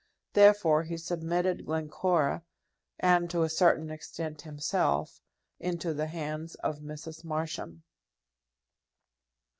Therefore he submitted Glencora, and, to a certain extent, himself, into the hands of Mrs. Marsham.